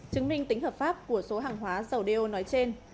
chứng minh tính hợp pháp của số hàng hóa dầu đeo nói trên